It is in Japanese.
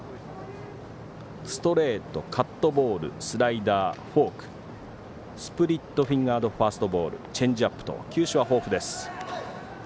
ストレート、カットボールスライダーフォーク、スプリットフィンガードファストボールチェンジアップと球種は豊富です。